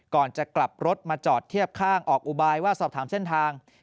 ก่อนจะกลับรถมาจอดเทียบข้างออกอุบายว่าสอบถามเส้นทาง